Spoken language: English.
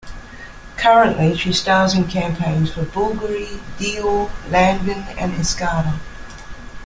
Currently, she stars in campaigns for Bulgari, Dior, Lanvin and Escada.